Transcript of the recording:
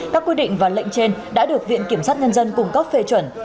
các quy định và lệnh trên đã được viện kiểm sát nhân dân cung cấp phê chuẩn